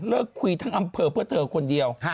คุยทั้งอำเภอเพื่อเธอคนเดียว